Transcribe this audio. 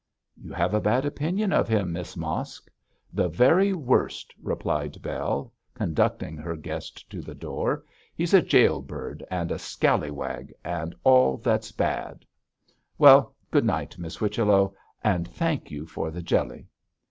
'You have a bad opinion of him, Miss Mosk.' 'The very worst,' replied Bell, conducting her guest to the door; 'he's a gaol bird and a scallywag, and all that's bad. Well, good night, Miss Whichello, and thank you for the jelly.'